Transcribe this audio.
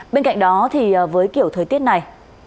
bên cạnh đó với kiểu thời tiết này